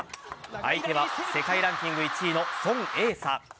相手は世界ランキング１位のソン・エイサ。